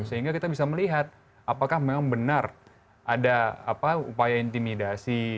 sehingga kita bisa melihat apakah memang benar ada upaya intimidasi